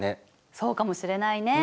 そうかもしれないね。